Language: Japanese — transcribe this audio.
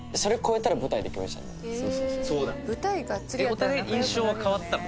お互い印象は変わったの？